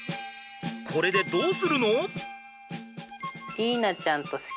これでどうするの？